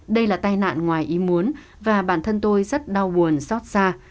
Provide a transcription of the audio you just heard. đây là tai nạn ngoài ý muốn và bản thân tôi rất đau buồn xót xa